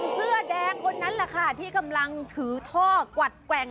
เสื้อแดงคนนั้นแหละค่ะที่กำลังถือท่อกวัดแกว่ง